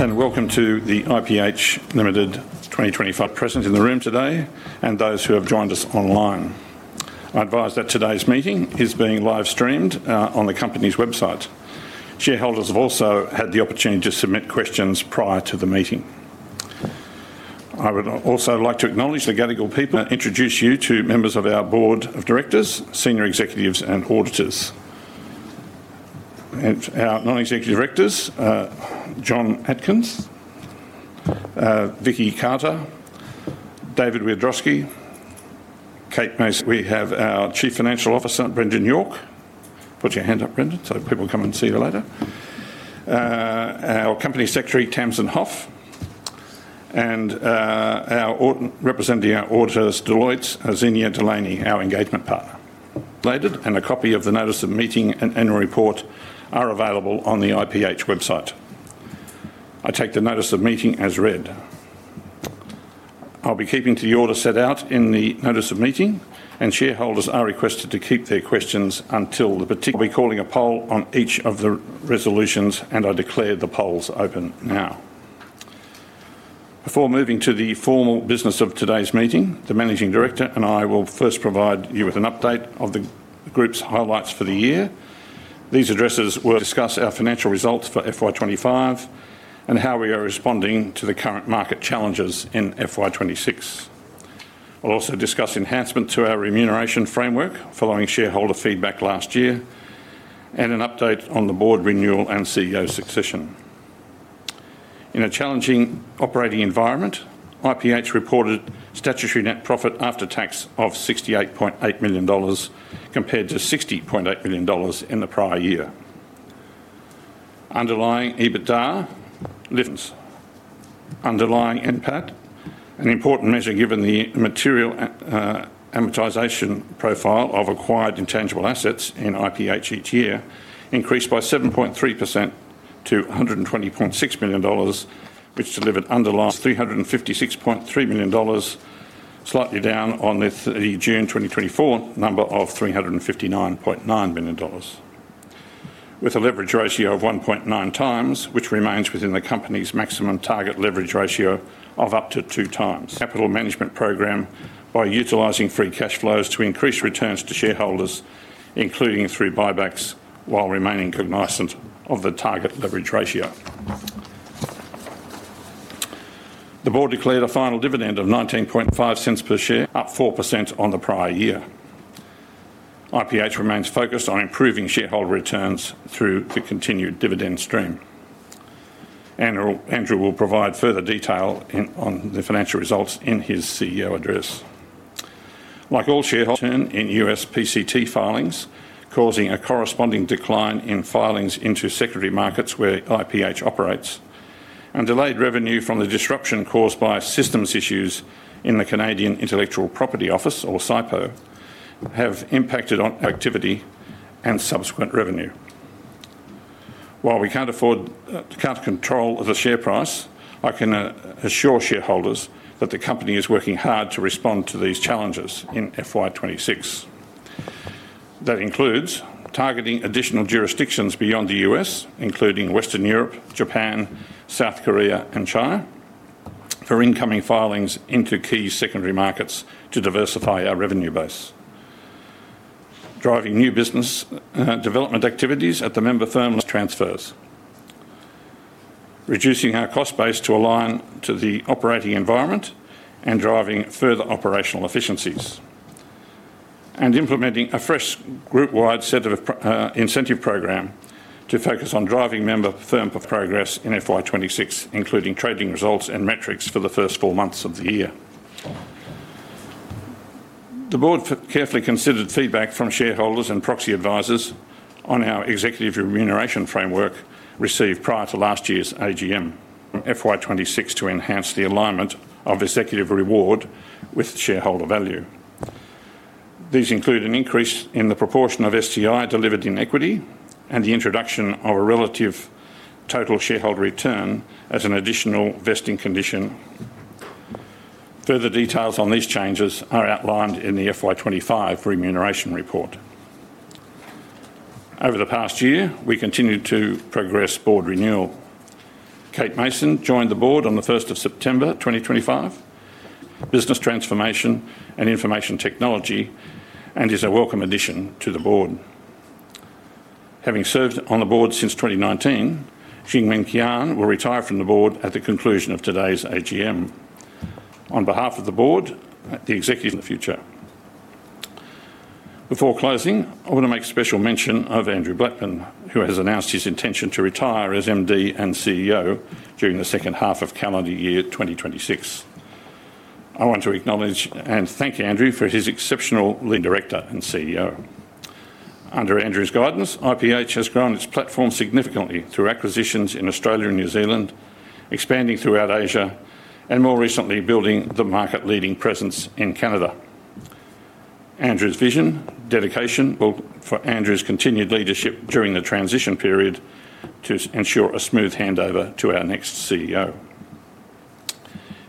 Welcome to the IPH Limited 2025. Present in the room today, and those who have joined us online. I advise that today's meeting is being live-streamed on the company's website. Shareholders have also had the opportunity to submit questions prior to the meeting. I would also like to acknowledge the Gadigal people. Introduce you to members of our Board of Directors, Senior Executives, and Auditors. Our non-executive directors, John Atkin, Vicki Carter, David Wiadrowsky, Kate. We have our Chief Financial Officer, Brendan York. Put your hand up, Brendan, so people come and see you later. Our Company Secretary, Tamsin Hoff, and our representing our Auditors, Deloitte's Xenia Delaney, our Engagement Partner. A copy of the Notice of Meeting and Annual Report are available on the IPH website. I take the Notice of Meeting as read. I'll be keeping to the order set out in the Notice of Meeting, and shareholders are requested to keep their questions until the particular. Be calling a poll on each of the resolutions, and I declare the polls open now. Before moving to the formal business of today's meeting, the Managing Director and I will first provide you with an update of the group's highlights for the year. These addresses will discuss our financial results for FY25 and how we are responding to the current market challenges in FY26. We'll also discuss enhancements to our remuneration framework following shareholder feedback last year and an update on the board renewal and CEO succession. In a challenging operating environment, IPH reported statutory net profit after tax of 68.8 million dollars compared to 60.8 million dollars in the prior year. Underlying EBITDA lift. Underlying impact, an important measure given the material amortization profile of acquired intangible assets in IPH each year, increased by 7.3% to 120.6 million dollars, which delivered underlying 356.3 million dollars, slightly down on the June 2024 number of 359.9 million dollars, with a leverage ratio of 1.9 times, which remains within the company's maximum target leverage ratio of up to two times. Capital Management Program by utilising free cash flows to increase returns to shareholders, including through buybacks, while remaining cognizant of the target leverage ratio. The board declared a final dividend of 19.50 per share, up 4% on the prior year. IPH remains focused on improving shareholder returns through the continued dividend stream. Andrew will provide further detail on the financial results in his CEO address. Like all shareholders, return in U.S. PCT filings, causing a corresponding decline in filings into secondary markets where IPH operates, and delayed revenue from the disruption caused by systems issues in the Canadian Intellectual Property Office, or CIPO, have impacted activity and subsequent revenue. While we can't control the share price, I can assure shareholders that the company is working hard to respond to these challenges in FY26. That includes targeting additional jurisdictions beyond the U.S., including Western Europe, Japan, South Korea, and China, for incoming filings into key secondary markets to diversify our revenue base. Driving new business development activities at the member firm transfers. Reducing our cost base to align to the operating environment and driving further operational efficiencies. Implementing a fresh group-wide incentive program to focus on driving member firm progress in FY26, including trading results and metrics for the first four months of the year. The board carefully considered feedback from shareholders and proxy advisors on our executive remuneration framework received prior to last year's AGM from FY26 to enhance the alignment of executive reward with shareholder value. These include an increase in the proportion of STI delivered in equity and the introduction of a relative total shareholder return as an additional vesting condition. Further details on these changes are outlined in the FY25 remuneration report. Over the past year, we continued to progress board renewal. Kate Mason joined the board on the 1st of September 2025. Business transformation and information technology and is a welcome addition to the board. Having served on the board since 2019, Xingming Kean will retire from the board at the conclusion of today's AGM. On behalf of the board, the executive. The future. Before closing, I want to make a special mention of Andrew Blattman, who has announced his intention to retire as MD and CEO during the second half of calendar year 2026. I want to acknowledge and thank Andrew for his exceptional leading role as Director and CEO. Under Andrew's guidance, IPH has grown its platform significantly through acquisitions in Australia and New Zealand, expanding throughout Asia, and more recently building the market-leading presence in Canada. Andrew's vision and dedication will support Andrew's continued leadership during the transition period to ensure a smooth handover to our next CEO.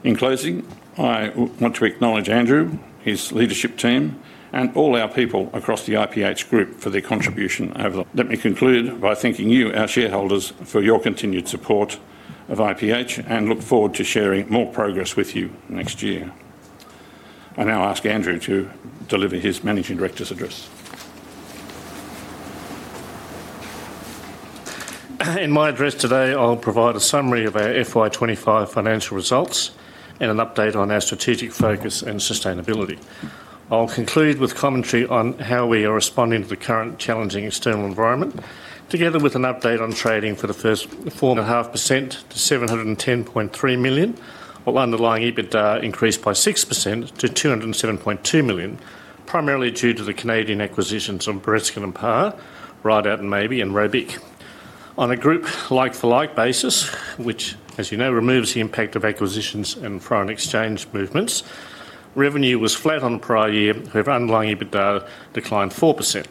In closing, I want to acknowledge Andrew, his leadership team, and all our people across the IPH group for their contribution over the last year. Let me conclude by thanking you, our shareholders, for your continued support of IPH and look forward to sharing more progress with you next year. I now ask Andrew to deliver his Managing Director's address. In my address today, I'll provide a summary of our FY25 financial results and an update on our strategic focus and sustainability. I'll conclude with commentary on how we are responding to the current challenging external environment, together with an update on trading for the first 4.5% to 710.3 million, while underlying EBITDA increased by 6% to 207.2 million, primarily due to the Canadian acquisitions of Brion Raffoul, Ridout & Maybee, and Robic. On a group like-for-like basis, which, as you know, removes the impact of acquisitions and foreign exchange movements, revenue was flat on the prior year, with underlying EBITDA declined 4%.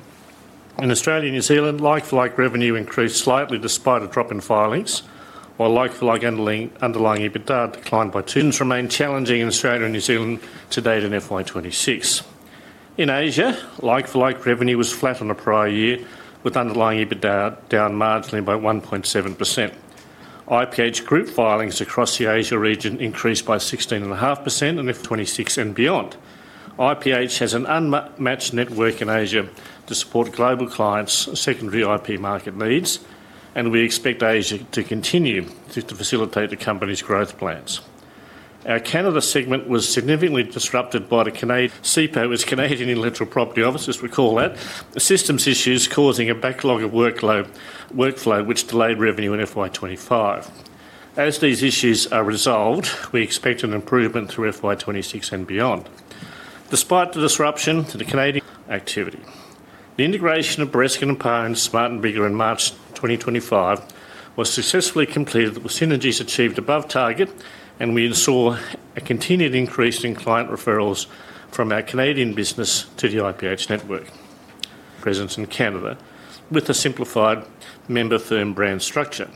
In Australia and New Zealand, like-for-like revenue increased slightly despite a drop in filings, while like-for-like underlying EBITDA declined by 2%. Remained challenging in Australia and New Zealand to date in FY26. In Asia, like-for-like revenue was flat on the prior year, with underlying EBITDA down marginally by 1.7%. IPH group filings across the Asia region increased by 16.5% in FY26 and beyond. IPH has an unmatched network in Asia to support global clients' secondary IP market needs, and we expect Asia to continue to facilitate the company's growth plans. Our Canada segment was significantly disrupted by the Canadian CIPO, which is the Canadian Intellectual Property Office, as we call that, the systems issues causing a backlog of workload, which delayed revenue in FY25. As these issues are resolved, we expect an improvement through FY26 and beyond. Despite the disruption, the Canadian activity. The integration of Bereskin & Parr and Smart & Bigger in March 2025 was successfully completed with synergies achieved above target, and we saw a continued increase in client referrals from our Canadian business to the IPH network. Presence in Canada with a simplified member firm brand structure.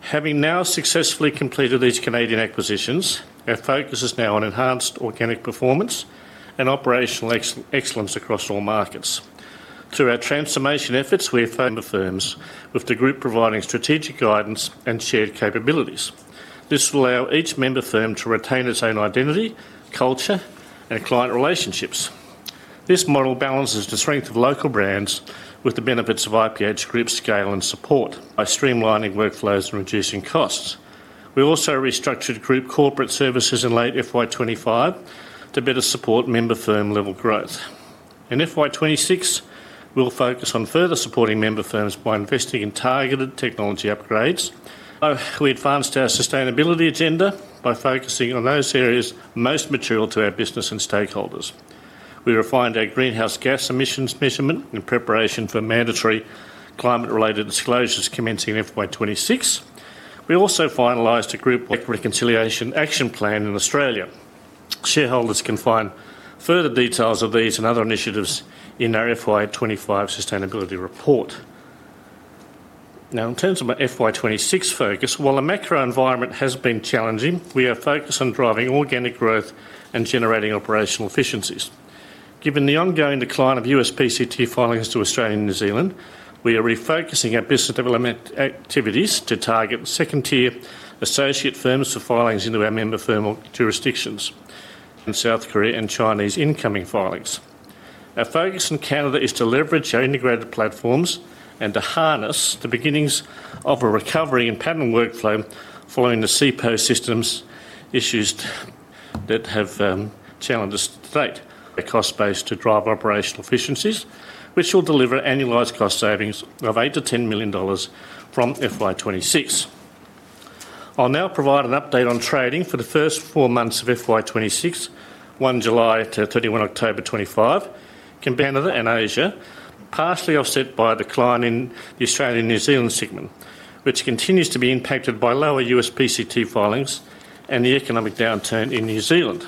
Having now successfully completed these Canadian acquisitions, our focus is now on enhanced organic performance and operational excellence across all markets. Through our transformation efforts, we have found member firms with the group providing strategic guidance and shared capabilities. This will allow each member firm to retain its own identity, culture, and client relationships. This model balances the strength of local brands with the benefits of IPH group scale and support by streamlining workflows and reducing costs. We also restructured group corporate services in late FY25 to better support member firm level growth. In FY26, we'll focus on further supporting member firms by investing in targeted technology upgrades. We advanced our sustainability agenda by focusing on those areas most material to our business and stakeholders. We refined our greenhouse gas emissions measurement in preparation for mandatory climate-related disclosures commencing in FY26. We also finalized a group reconciliation action plan in Australia. Shareholders can find further details of these and other initiatives in our FY25 sustainability report. Now, in terms of our FY26 focus, while the macro environment has been challenging, we are focused on driving organic growth and generating operational efficiencies. Given the ongoing decline of U.S. PCT filings to Australia and New Zealand, we are refocusing our business development activities to target second-tier associate firms for filings into our member firm jurisdictions in South Korea and Chinese incoming filings. Our focus in Canada is to leverage our integrated platforms and to harness the beginnings of a recovery and pattern workflow following the CIPO systems issues that have challenged us to date. A cost base to drive operational efficiencies, which will deliver annualized cost savings of 8 million-10 million dollars from FY26. I'll now provide an update on trading for the first four months of FY26, 1 July to 31 October 2025, compared to Canada and Asia, partially offset by a decline in the Australia and New Zealand segment, which continues to be impacted by lower U.S. PCT filings and the economic downturn in New Zealand.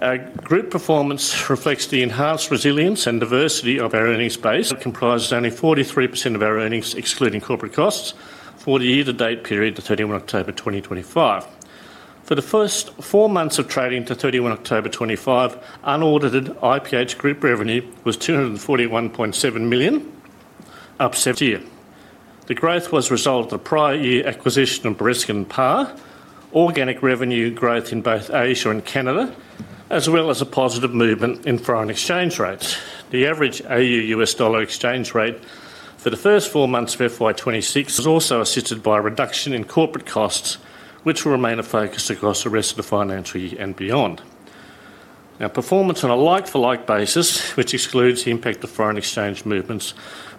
Our group performance reflects the enhanced resilience and diversity of our earnings base, comprising only 43% of our earnings, excluding corporate costs, for the year-to-date period to 31 October 2025. For the first four months of trading to 31 October 2025, unaudited IPH group revenue was 241.7 million, up. Year. The growth was a result of the prior year acquisition of Bereskin & Parr, organic revenue growth in both Asia and Canada, as well as a positive movement in foreign exchange rates. The average AUD/USD exchange rate for the first four months of FY26 was also assisted by a reduction in corporate costs, which will remain a focus across the rest of the financial year and beyond. Now, performance on a like-for-like basis, which excludes the impact of foreign exchange movements,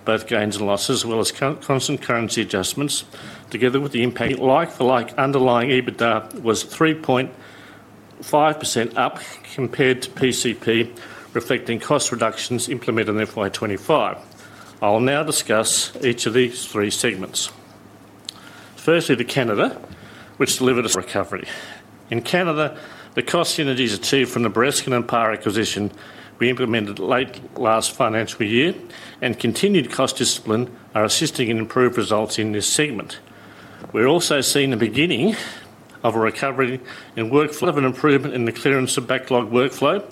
both gains and losses, as well as constant currency adjustments, together with the impact of like-for-like underlying EBITDA, was 3.5% up compared to PCP, reflecting cost reductions implemented in FY25. I'll now discuss each of these three segments. Firstly, the Canada, which delivered a recovery. In Canada, the cost synergies achieved from the Bereskin & Parr acquisition we implemented late last financial year and continued cost discipline are assisting in improved results in this segment. We are also seeing the beginning of a recovery in workflow and improvement in the clearance of backlog workflow,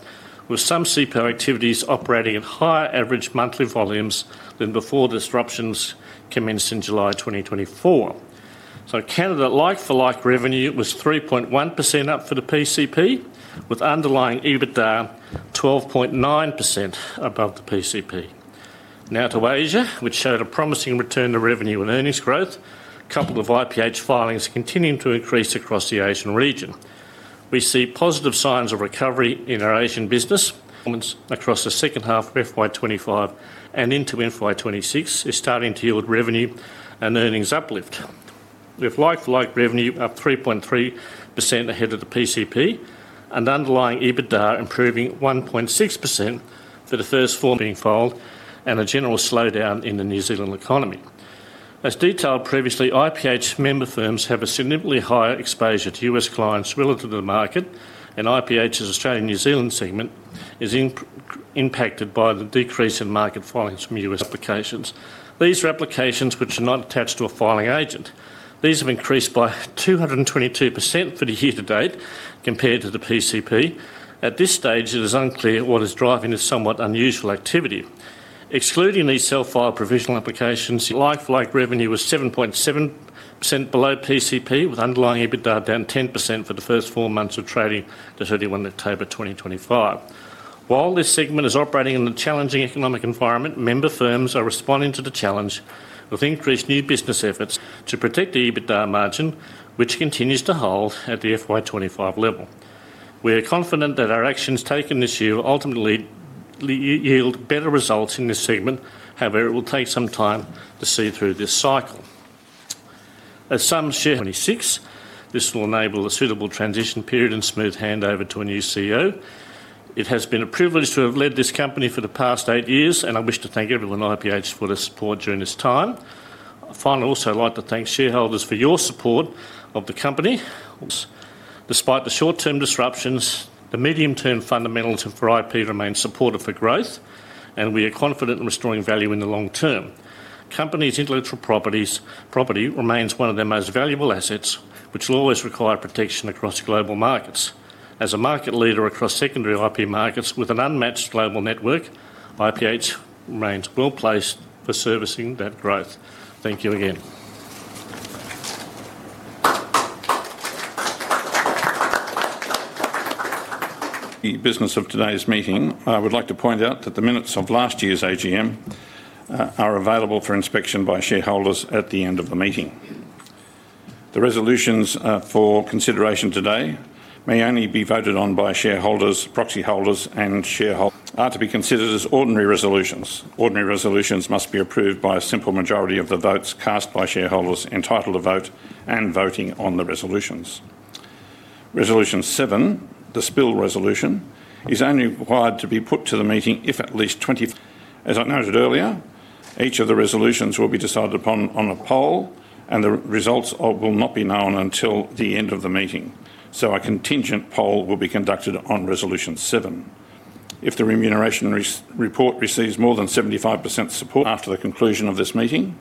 with some CIPO activities operating at higher average monthly volumes than before disruptions commenced in July 2024. Canada, like-for-like revenue was 3.1% up for the PCP, with underlying EBITDA 12.9% above the PCP. Now to Asia, which showed a promising return to revenue and earnings growth, coupled with IPH filings continuing to increase across the Asian region. We see positive signs of recovery in our Asian business. Performance across the second half of FY25 and into FY26 is starting to yield revenue and earnings uplift. We have like-for-like revenue up 3.3% ahead of the PCP, and underlying EBITDA improving 1.6% for the first four months being followed, and a general slowdown in the New Zealand economy. As detailed previously, IPH member firms have a significantly higher exposure to U.S. clients relative to the market, and IPH's Australia and New Zealand segment is impacted by the decrease in market filings from U.S. applications. These replications, which are not attached to a filing agent, have increased by 222% for the year-to-date compared to the PCP. At this stage, it is unclear what is driving this somewhat unusual activity. Excluding these self-filed provisional applications, like-for-like revenue was 7.7% below PCP, with underlying EBITDA down 10% for the first four months of trading to 31 October 2025. While this segment is operating in a challenging economic environment, member firms are responding to the challenge with increased new business efforts to protect the EBITDA margin, which continues to hold at the FY25 level. We are confident that our actions taken this year will ultimately yield better results in this segment. However, it will take some time to see through this cycle. As some share 26, this will enable a suitable transition period and smooth handover to a new CEO. It has been a privilege to have led this company for the past eight years, and I wish to thank everyone at IPH for their support during this time. Finally, I'd also like to thank shareholders for your support of the company. Despite the short-term disruptions, the medium-term fundamentals for IP remain supportive for growth, and we are confident in restoring value in the long term. Company's intellectual property remains one of their most valuable assets, which will always require protection across global markets. As a market leader across secondary IP markets with an unmatched global network, IPH remains well placed for servicing that growth. Thank you again. The business of today's meeting. I would like to point out that the minutes of last year's AGM are available for inspection by shareholders at the end of the meeting. The resolutions for consideration today may only be voted on by shareholders, proxy holders, and shareholders. Are to be considered as ordinary resolutions. Ordinary resolutions must be approved by a simple majority of the votes cast by shareholders entitled to vote and voting on the resolutions. Resolution seven, the SPILL resolution, is only required to be put to the meeting if at least 20%. As I noted earlier, each of the resolutions will be decided upon on a poll, and the results will not be known until the end of the meeting. A contingent poll will be conducted on resolution seven. If the remuneration report receives more than 75% support after the conclusion of this meeting,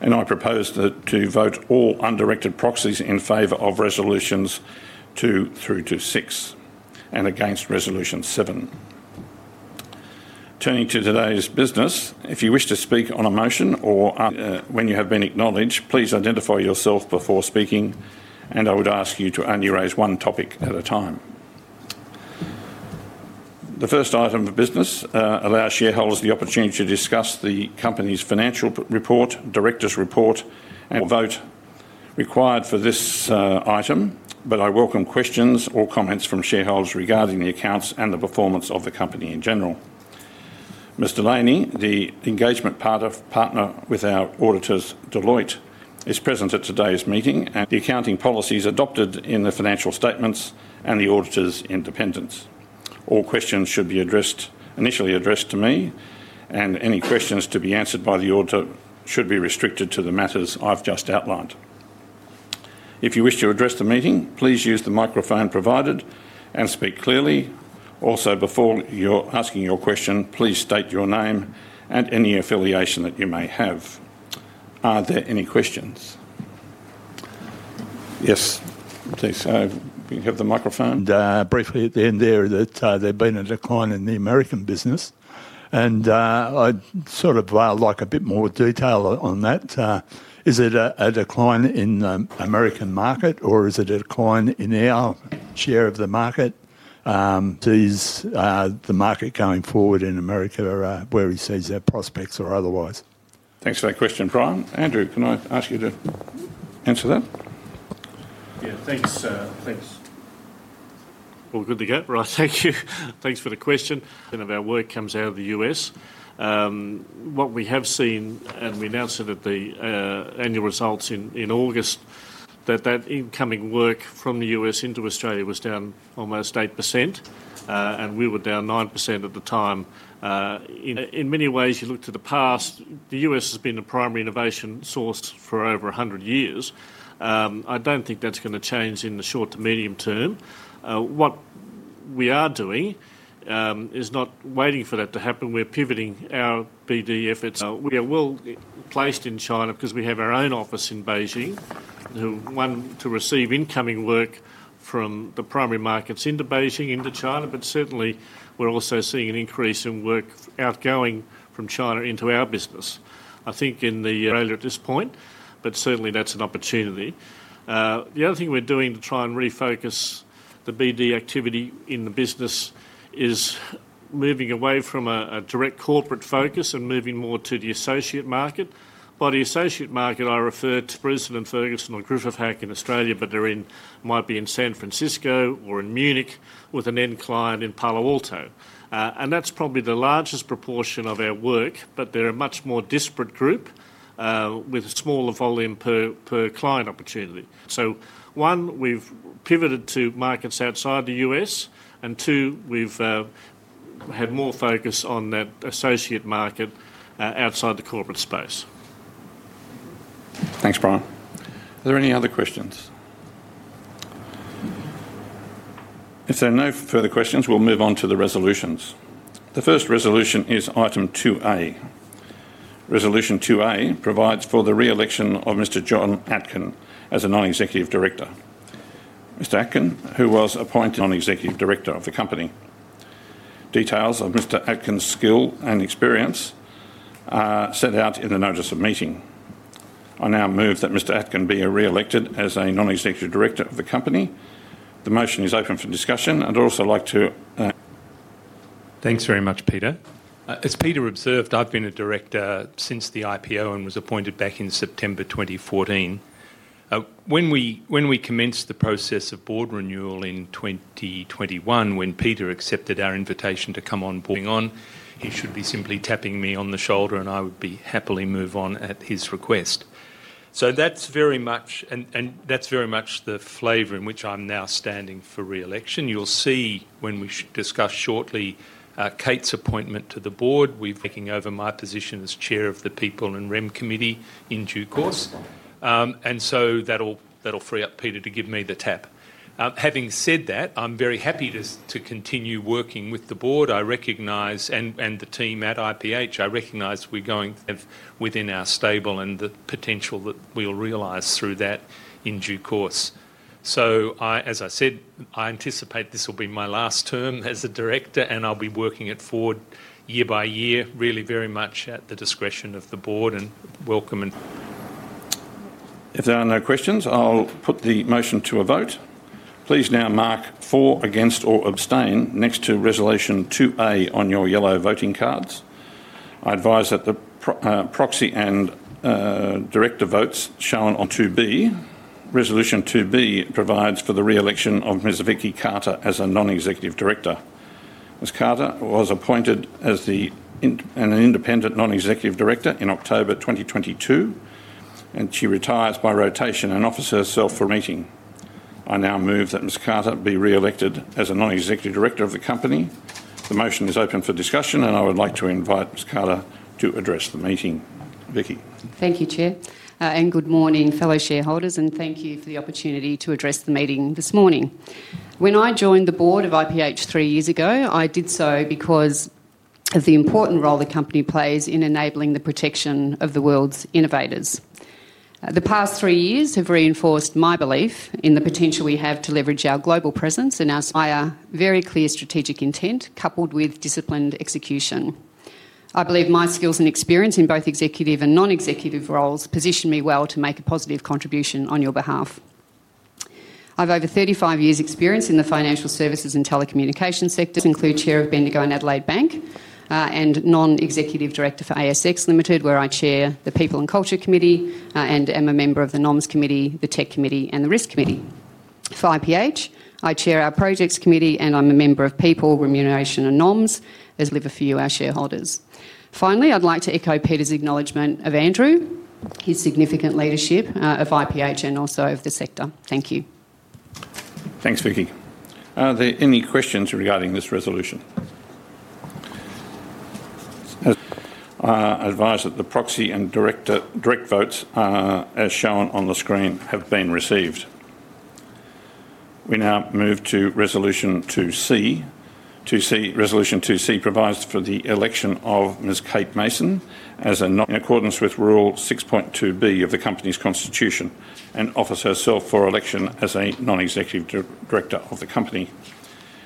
I propose to vote all undirected proxies in favor of resolutions two through to six and against resolution seven. Turning to today's business, if you wish to speak on a motion or when you have been acknowledged, please identify yourself before speaking, and I would ask you to only raise one topic at a time. The first item of business allows shareholders the opportunity to discuss the company's financial report, director's report, and vote required for this item, but I welcome questions or comments from shareholders regarding the accounts and the performance of the company in general. Mr. Delaney, the engagement partner with our auditors, Deloitte, is present at today's meeting, and the accounting policies adopted in the financial statements and the auditor's independence. All questions should be initially addressed to me, and any questions to be answered by the auditor should be restricted to the matters I've just outlined. If you wish to address the meeting, please use the microphone provided and speak clearly. Also, before you're asking your question, please state your name and any affiliation that you may have. Are there any questions? Yes, please. You have the microphone. Briefly at the end there that there's been a decline in the American business, and I'd sort of like a bit more detail on that. Is it a decline in the American market, or is it a decline in our share of the market? Sees the market going forward in America where he sees our prospects or otherwise? Thanks for that question, Bryan. Andrew, can I ask you to answer that? Yeah, thanks. Good to go. Right, thank you. Thanks for the question. Of our work comes out of the U.S. What we have seen, and we announced it at the annual results in August, that that incoming work from the U.S. into Australia was down almost 8%, and we were down 9% at the time. In many ways, you look to the past, the U.S. has been the primary innovation source for over 100 years. I don't think that's going to change in the short to medium term. What we are doing is not waiting for that to happen. We're pivoting our BD efforts. We are well placed in China because we have our own office in Beijing, one to receive incoming work from the primary markets into Beijing, into China, but certainly we're also seeing an increase in work outgoing from China into our business. I think in the Australia at this point, but certainly that's an opportunity. The other thing we're doing to try and refocus the BD activity in the business is moving away from a direct corporate focus and moving more to the associate market. By the associate market, I refer to Spruson & Ferguson or Griffith Hack in Australia, but they might be in San Francisco or in Munich with an end client in Palo Alto. That's probably the largest proportion of our work, but they're a much more disparate group with a smaller volume per client opportunity. One, we've pivoted to markets outside the U.S., and two, we've had more focus on that associate market outside the corporate space. Thanks, Bryan. Are there any other questions? If there are no further questions, we'll move on to the resolutions. The first resolution is item 2A. Resolution 2A provides for the re-election of Mr. John Atkin as a non-executive director. Mr. Atkin, who was appointed non-executive director of the company. Details of Mr. Atkin's skill and experience are set out in the notice of meeting. I now move that Mr. Atkin be re-elected as a non-executive director of the company. The motion is open for discussion. I'd also like to. Thanks very much, Peter. As Peter observed, I've been a director since the IPO and was appointed back in September 2014. When we commenced the process of board renewal in 2021, when Peter accepted our invitation to come on board, he should be simply tapping me on the shoulder, and I would happily move on at his request. That is very much the flavor in which I'm now standing for re-election. You'll see when we discuss shortly Kate's appointment to the board. She has taken over my position as chair of the People and Rem Committee in due course, and that will free up Peter to give me the tap. Having said that, I'm very happy to continue working with the board. I recognize and the team at IPH, I recognize we're going within our stable and the potential that we'll realize through that in due course. As I said, I anticipate this will be my last term as a director, and I'll be working it forward year by year, really very much at the discretion of the board and welcome. If there are no questions, I'll put the motion to a vote. Please now mark for, against, or abstain next to resolution 2A on your yellow voting cards. I advise that the proxy and director votes are shown on 2B. Resolution 2B provides for the re-election of Ms. Vicki Carter as a non-executive director. Ms. Carter was appointed as an independent non-executive director in October 2022, and she retires by rotation and offers herself for meeting. I now move that Ms. Carter be re-elected as a non-executive director of the company. The motion is open for discussion, and I would like to invite Ms. Carter to address the meeting. Vicki. Thank you, Chair, and good morning, fellow shareholders, and thank you for the opportunity to address the meeting this morning. When I joined the board of IPH three years ago, I did so because of the important role the company plays in enabling the protection of the world's innovators. The past three years have reinforced my belief in the potential we have to leverage our global presence and our very clear strategic intent, coupled with disciplined execution. I believe my skills and experience in both executive and non-executive roles position me well to make a positive contribution on your behalf. I have over 35 years' experience in the financial services and telecommunications sector, including chair of Bendigo and Adelaide Bank and non-executive director for ASX Limited, where I chair the People and Culture Committee and am a member of the Noms Committee, the Tech Committee, and the Risk Committee. For IPH, I chair our Projects Committee, and I'm a member of People, Remuneration, and Noms, as I'll leave a few of our shareholders. Finally, I'd like to echo Peter's acknowledgement of Andrew, his significant leadership of IPH and also of the sector. Thank you. Thanks, Vicki. Are there any questions regarding this resolution? As I advise that the proxy and direct votes, as shown on the screen, have been received. We now move to resolution 2C. 2C, resolution 2C, provides for the election of Ms. Kate Mason as a non-executive director in accordance with Rule 6.2B of the company's constitution and offers herself for election as a non-executive director of the company.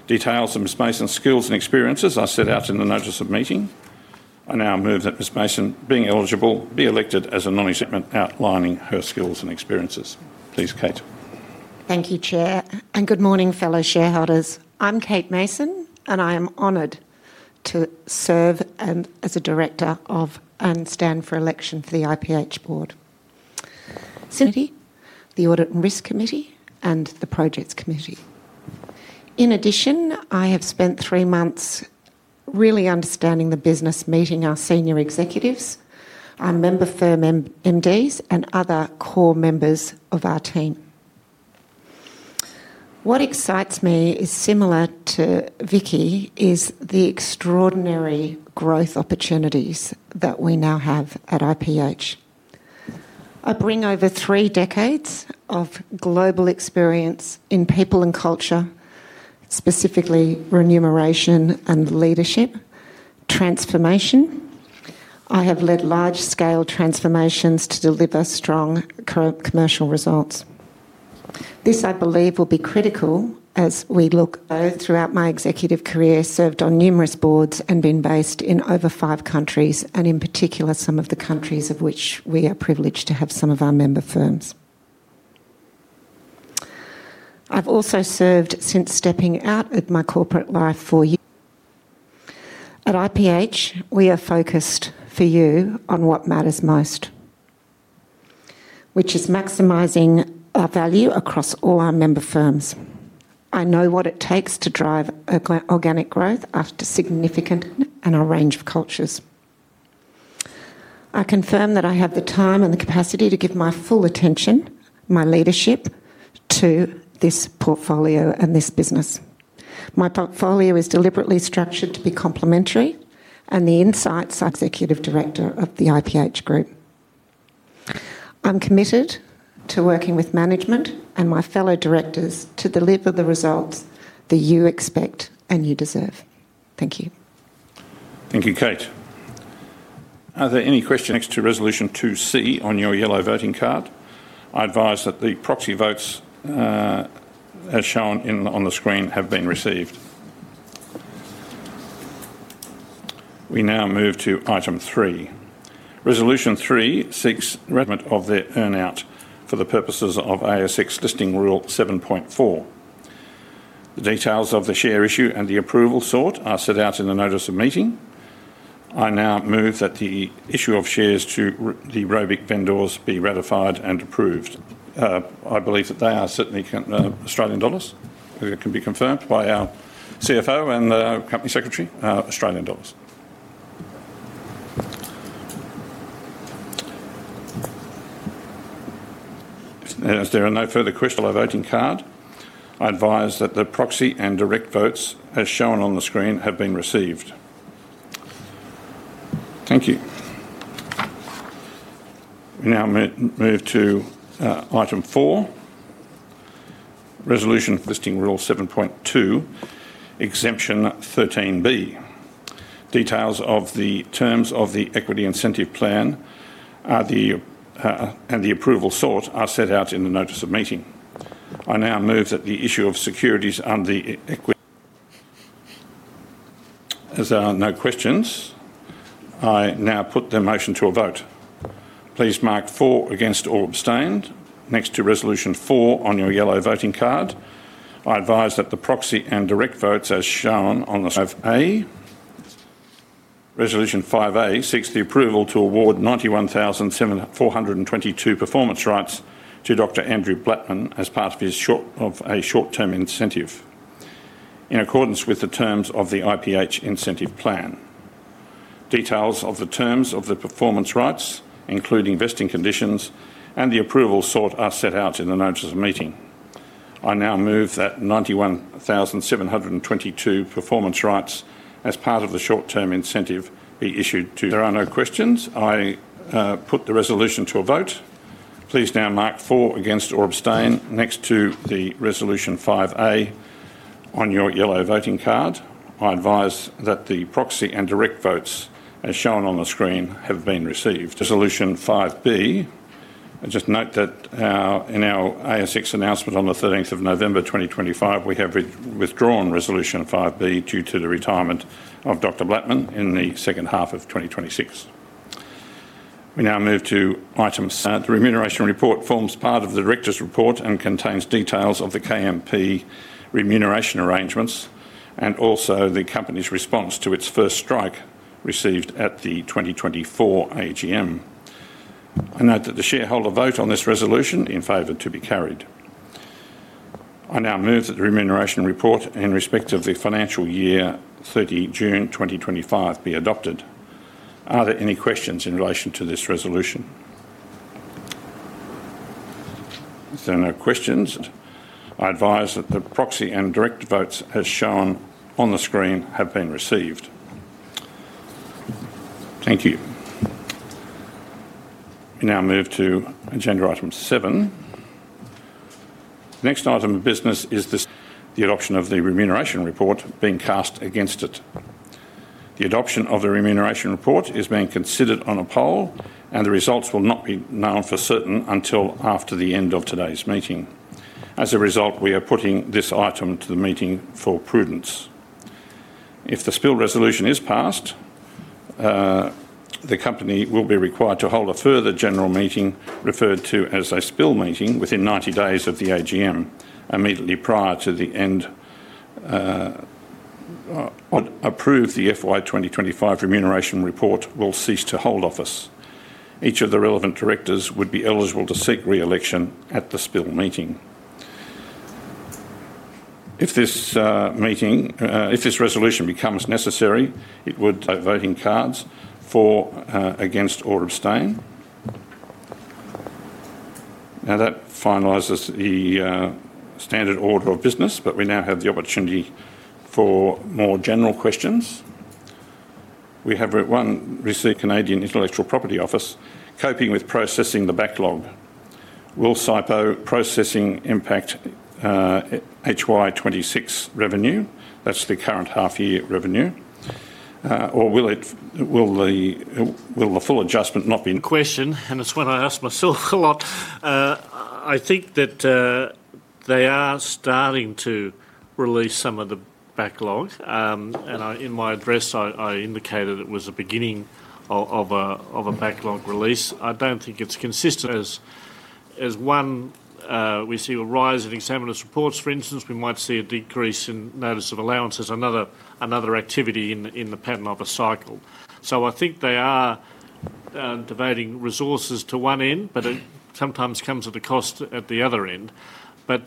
Details of Ms. Mason's skills and experiences are set out in the notice of meeting. I now move that Ms. Mason, being eligible, be elected as a non-executive director outlining her skills and experiences. Please, Kate. Thank you, Chair, and good morning, fellow shareholders. I'm Kate Mason, and I am honored to serve as a director and stand for election for the IPH board, the audit and risk committee, and the projects committee. In addition, I have spent three months really understanding the business, meeting our senior executives, our member firm MDs, and other core members of our team. What excites me, similar to Vicki, is the extraordinary growth opportunities that we now have at IPH. I bring over three decades of global experience in people and culture, specifically remuneration and leadership transformation. I have led large-scale transformations to deliver strong commercial results. This, I believe, will be critical as we look throughout my executive career, served on numerous boards, and been based in over five countries, and in particular, some of the countries of which we are privileged to have some of our member firms. I've also served since stepping out of my corporate life for years. At IPH, we are focused for you on what matters most, which is maximizing our value across all our member firms. I know what it takes to drive organic growth after significant and a range of cultures. I confirm that I have the time and the capacity to give my full attention, my leadership, to this portfolio and this business. My portfolio is deliberately structured to be complementary, and the insights. Executive Director of the IPH group. I'm committed to working with management and my fellow directors to deliver the results that you expect and you deserve. Thank you. Thank you, Kate. Are there any questions next to resolution 2C on your yellow voting card? I advise that the proxy votes, as shown on the screen, have been received. We now move to item three. Resolution three seeks revenue of their earnout for the purposes of ASX listing rule 7.4. The details of the share issue and the approval sort are set out in the notice of meeting. I now move that the issue of shares to the Robic Vendors be ratified and approved. I believe that they are certainly Australian dollars. It can be confirmed by our CFO and the Company Secretary, Australian dollars. If there are no further questions on the voting card, I advise that the proxy and direct votes, as shown on the screen, have been received. Thank you. We now move to item four, resolution listing rule 7.2, exemption 13B. Details of the terms of the equity incentive plan and the approval sought are set out in the notice of meeting. I now move that the issue of securities and the equity. As there are no questions, I now put the motion to a vote. Please mark for, against, or abstain next to resolution four on your yellow voting card. I advise that the proxy and direct votes, as shown on the resolution 5A, seeks the approval to award 91,422 performance rights to Dr. Andrew Blattman as part of a short-term incentive in accordance with the terms of the IPH incentive plan. Details of the terms of the performance rights, including vesting conditions and the approval sought, are set out in the notice of meeting. I now move that 91,722 performance rights, as part of the short-term incentive, be issued to. There are no questions. I put the resolution to a vote. Please now mark for, against, or abstain next to the resolution 5A on your yellow voting card. I advise that the proxy and direct votes, as shown on the screen, have been received. Resolution 5B. I just note that in our ASX announcement on the 13th of November 2025, we have withdrawn resolution 5B due to the retirement of Dr. Blattman in the second half of 2026. We now move to item. The remuneration report forms part of the director's report and contains details of the KMP remuneration arrangements and also the company's response to its first strike received at the 2024 AGM. I note that the shareholder vote on this resolution is in favour to be carried. I now move that the remuneration report in respect of the financial year, 30 June 2025, be adopted. Are there any questions in relation to this resolution? If there are no questions, I advise that the proxy and direct votes, as shown on the screen, have been received. Thank you. We now move to agenda item seven. The next item of business is the adoption of the remuneration report being cast against it. The adoption of the remuneration report is being considered on a poll, and the results will not be known for certain until after the end of today's meeting. As a result, we are putting this item to the meeting for prudence. If the spill resolution is passed, the company will be required to hold a further general meeting referred to as a spill meeting within 90 days of the AGM. Immediately prior to the end, approve the FY25 remuneration report will cease to hold office. Each of the relevant directors would be eligible to seek re-election at the spill meeting. If this resolution becomes necessary, it would. Voting cards for, against, or abstain. Now, that finalizes the standard order of business, but we now have the opportunity for more general questions. We have one received. Canadian Intellectual Property Office, coping with processing the backlog. Will CIPO processing impact HY26 revenue? That's the current half-year revenue. Or will the full adjustment not. Question, and it's one I ask myself a lot. I think that they are starting to release some of the backlog, and in my address, I indicated it was the beginning of a backlog release. I don't think it's consistent. As one, we see a rise in examiners' reports, for instance. We might see a decrease in notice of allowances, another activity in the pattern of a cycle. I think they are debating resources to one end, but it sometimes comes at a cost at the other end.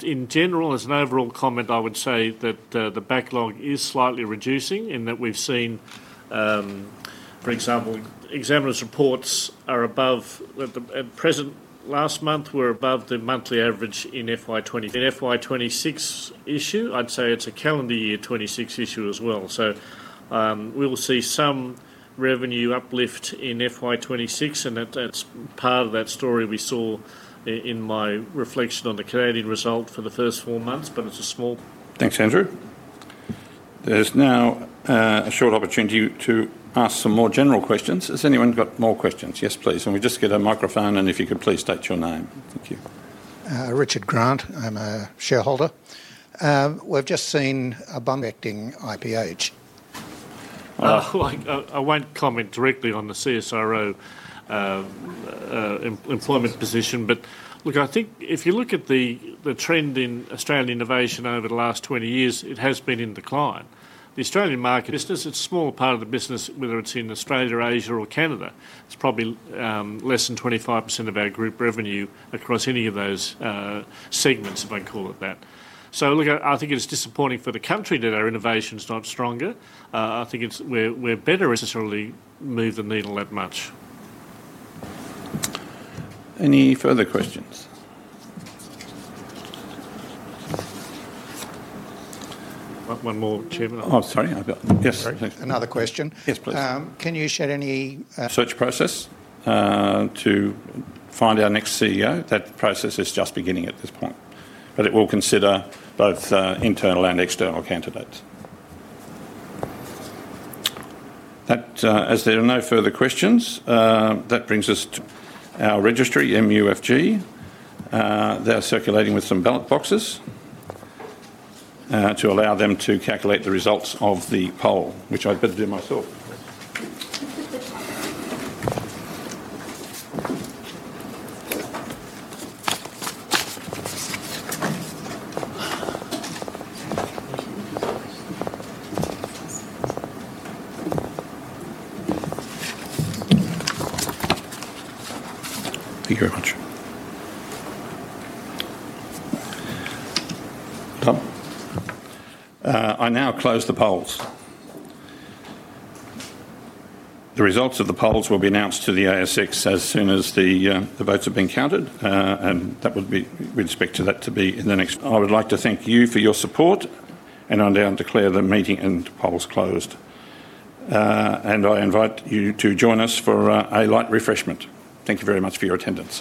In general, as an overall comment, I would say that the backlog is slightly reducing in that we've seen, for example, examiners' reports are above at present, last month, were above the monthly average in FY. In FY 26 issue, I'd say it's a calendar year 2026 issue as well. We will see some revenue uplift in FY26, and that's part of that story we saw in my reflection on the Canadian result for the first four months, but it's a small. Thanks, Andrew. There's now a short opportunity to ask some more general questions. Has anyone got more questions? Yes, please. Can we just get a microphone, and if you could please state your name. Thank you. Richard Grant. I'm a shareholder. We've just seen a. Affecting IPH. I won't comment directly on the CSRO employment position, but look, I think if you look at the trend in Australian innovation over the last 20 years, it has been in decline. The Australian market, business, it's a small part of the business, whether it's in Australia, Asia, or Canada. It's probably less than 25% of our group revenue across any of those segments, if I can call it that. I think it's disappointing for the country that our innovation is not stronger. I think we're better. Necessarily move the needle that much. Any further questions? One more, Chairman. Oh, sorry. Yes. Another question. Yes, please. Can you share any? Search process to find our next CEO. That process is just beginning at this point, but it will consider both internal and external candidates. As there are no further questions, that brings us. Our registry, MUFG. They are circulating with some ballot boxes to allow them to calculate the results of the poll, which I'd better do myself. Thank you very much. I now close the polls. The results of the polls will be announced to the ASX as soon as the votes have been counted, and that would be with respect to that to be in the next. I would like to thank you for your support and I now declare the meeting and polls closed. I invite you to join us for a light refreshment. Thank you very much for your attendance.